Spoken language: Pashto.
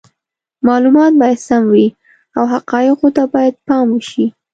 معلومات باید سم وي او حقایقو ته باید پام وشي.